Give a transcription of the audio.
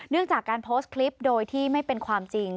จากการโพสต์คลิปโดยที่ไม่เป็นความจริง